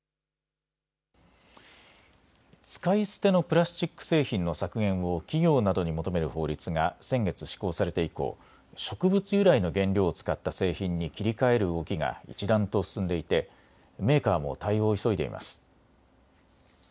使い捨てのプラスチック製品の削減を企業などに求める法律が先月、施行されて以降、植物由来の原料を使った製品に切り替える動きが一段と進んでいてメーカーも対応を急いでいます。